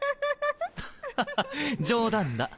ハッハハ冗談だ。